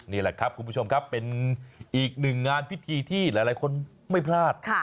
นี่แหละครับคุณผู้ชมครับเป็นอีกหนึ่งงานพิธีที่หลายคนไม่พลาด